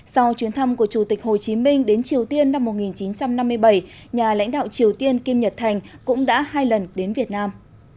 sau chuyến thăm của chủ tịch hồ chí minh đến triều tiên năm một nghìn chín trăm năm mươi bảy nhà lãnh đạo triều tiên kim nhật thành cũng đã hai lần đến việt nam